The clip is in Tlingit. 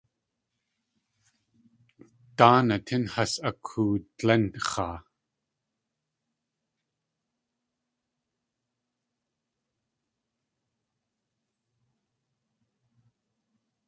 Dáanaa tín has akoodlénx̲aa.